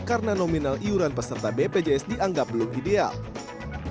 karena nominal iuran peserta bpjs dianggap belum ideal